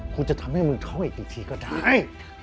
กูจะทำให้มึงท้องอีกทีก็ได้